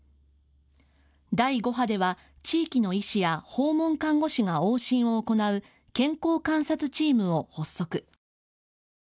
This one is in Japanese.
第５波では地域の医師や訪問看護師が往診を行う健康観察チームを発足。